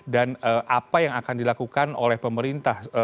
dan apa yang akan dilakukan oleh pemerintah